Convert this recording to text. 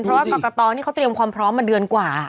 เพราะว่ากรกตนี่เขาเตรียมความพร้อมมาเดือนกว่า